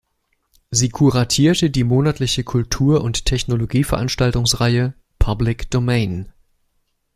Sie kuratierte die monatliche Kultur- und Technologie-Veranstaltungsreihe "Public Domain".